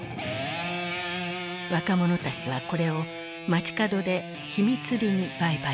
若者たちはこれを街角で秘密裏に売買した。